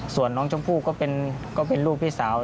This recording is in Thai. ส่วนน้องชมพู่ก็เป็นลูกพี่สาว